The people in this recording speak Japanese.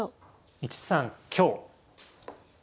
１三香。